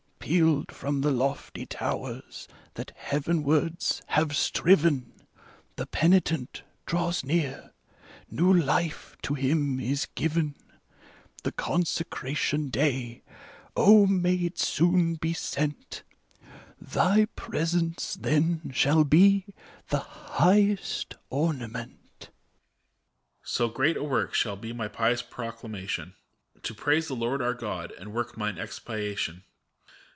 Pealed from the lofty towers that heavenwards have striven : The penitent draws near, new life to him is given. The consecration day — 0, may it soon be sent !— Thy presence then shall be the highest ornament. EMPEROR. So great a work shall be my pious proclamation ^22 FAUST. To praise the Lord our Gk)d, and work mine expiation.